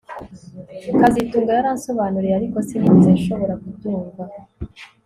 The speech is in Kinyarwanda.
kazitunga yaransobanuriye ariko sinigeze nshobora kubyumva